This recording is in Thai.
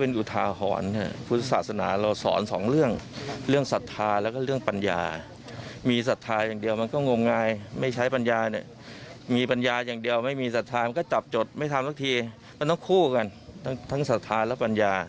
เป็นลูกสิทธิ์เขาครับครับ